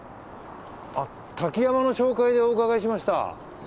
あっ滝山の紹介でお伺いしました。